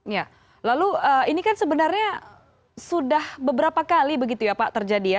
ya lalu ini kan sebenarnya sudah beberapa kali begitu ya pak terjadi ya